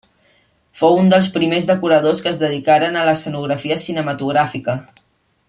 Fou un dels primers decoradors que es dedicaren a l'escenografia cinematogràfica.